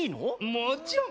もちろん。